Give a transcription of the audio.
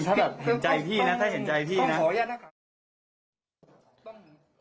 ถ้าเห็นใจพี่นะ